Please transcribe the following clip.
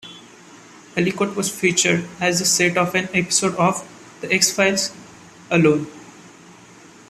Ellicott was featured as the set of an episode of "The X-Files", "Alone".